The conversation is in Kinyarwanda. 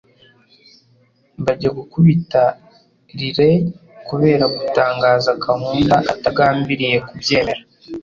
bajya gukubita Riley kubera gutangaza gahunda atagambiriye kubyemera